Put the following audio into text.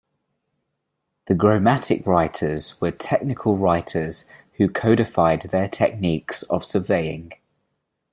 The "gromatic writers" were technical writers who codified their techniques of surveying.